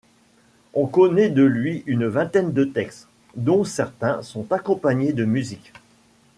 On connaît de lui une vingtaine de textes, dont certains sont accompagnés de musique.